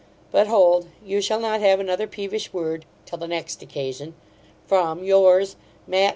But, hold, You shall not have another peevish word (till the next occasion) from Yours, MATT.